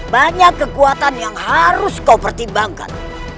banyak kekuatan yang harus kau pertimbangkan